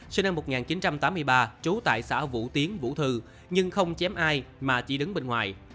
sinh năm một nghìn chín trăm tám mươi ba trú tại xã vũ tiến vũ thư nhưng không chém ai mà chỉ đứng bên ngoài